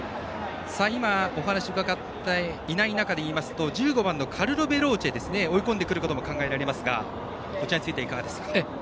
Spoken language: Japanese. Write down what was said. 今、お話を伺っていない中でいいますとカルロヴェローチェが追い込んでくることも考えられますがこちらについてはいかがですか？